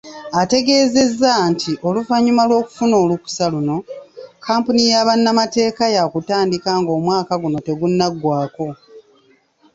Ategeezezza nti oluvanyuma lw'okufuna olukusa luno, kampuni ya bannamateeka ya kutandika ng'omwaka guno tegunnaggwako.